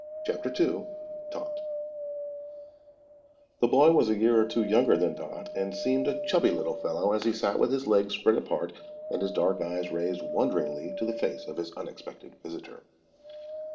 CHAPTER 2 TOT The boy was a year or two younger than Dot, and seemed a chubby little fellow as he sat with his legs spread apart and his dark eyes raised wonderingly to the face of his unexpected visitor.